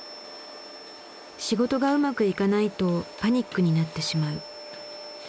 仕事がうまくいかないとパニックになってしまう。